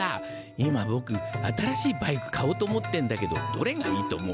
今ぼく新しいバイク買おうと思ってんだけどどれがいいと思う？